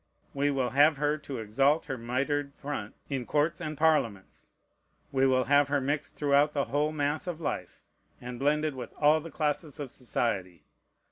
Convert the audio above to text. we will have her to exalt her mitred front in courts and parliaments. We will have her mixed throughout the whole mass of life, and blended with all the classes of society.